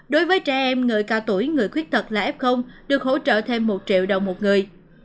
đối với trẻ em người cao tuổi người khuyết tật là f được hỗ trợ thêm một triệu đồng một người